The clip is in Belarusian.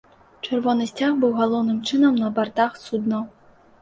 Чырвоны сцяг быў галоўным чынам на бартах суднаў.